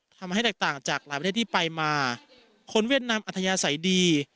ทำให้แตกต่างจากหลายประเทศที่ไปมาคนเวียดนามอัธยาศัยดี